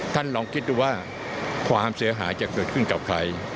ลองคิดดูว่าความเสียหายจะเกิดขึ้นกับใคร